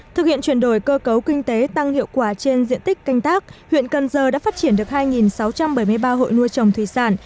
thực hiện chuyển đổi cơ cấu kinh tế tăng hiệu quả trên diện tích canh tác huyện cần giờ đã phát triển được hai sáu trăm bảy mươi ba hộ nuôi trồng thủy sản